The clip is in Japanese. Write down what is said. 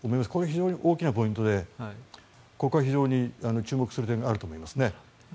非常に大きなポイントでここは非常に注目する点があると思います。